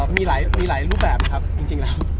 มีหลายรูปแบบครับจริงแล้ว